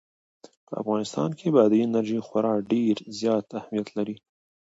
په افغانستان کې بادي انرژي خورا ډېر زیات اهمیت لري.